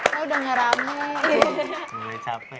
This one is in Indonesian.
wah udah ngeramai